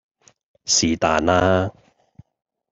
是但啦